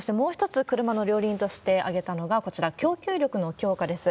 そしてもう一つ車の両輪として挙げたのが、こちら、供給力の強化です。